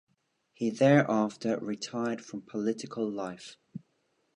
He thereafter retired from political life.